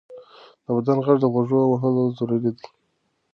د بدن غږ ته غوږ وهل ضروري دی.